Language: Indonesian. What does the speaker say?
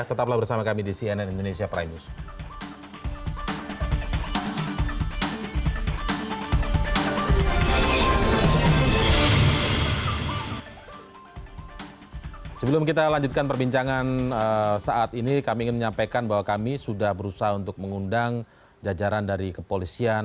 tetaplah bersama kami di cnn indonesia prime news